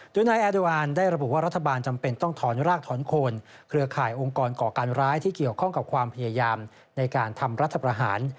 โดยนายแอดวานได้ระบุว่ารัฐบาลจำเป็นต้องถอนรากถอนโคนเครือข่ายองค์กรก่อการร้ายที่เกี่ยวข้องกับความพยายามในการทำรัฐประหาร